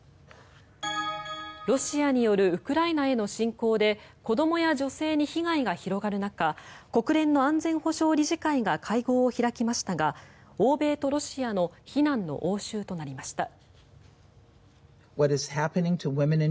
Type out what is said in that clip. ロシアによるウクライナへの侵攻で子どもや女性に被害が広がる中国連の安全保障理事会が会合を開きましたが欧米とロシアの非難の応酬となりました。